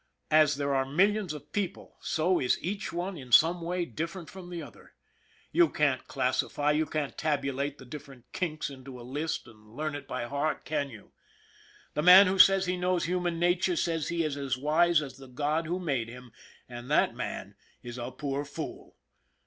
As there are millions of people, so is each one in some way different from the other. You can't classify, you can't tabulate the different kinks into a list and learn it by heart, can you? The man who says he knows human nature says he is as wise as the God who made him, and that man is a poor fool.